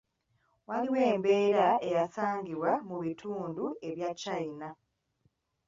Waliwo embeera eyasangibwa mu bitundu ebya China.